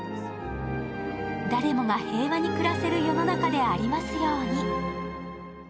誰もが平和に暮らせる世の中でありますように。